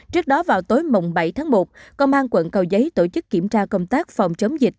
trước đó vào tối bảy tháng một công an quận cầu giấy tổ chức kiểm tra công tác phòng chống dịch